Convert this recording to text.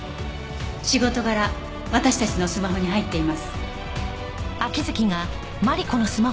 仕事柄私たちのスマホに入っています。